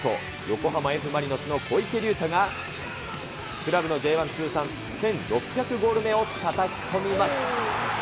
横浜Ｆ・マリノスの小池龍太がクラブのＪ１通算１６００ゴール目をたたき込みます。